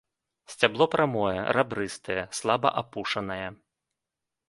Сцябло прамое, рабрыстае, слаба апушанае.